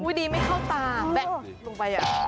อุ๊ยดิไม่เข้าตาแปะลงไป